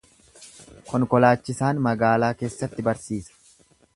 Konkolaachisaan magaalaa keessatti barsiisa.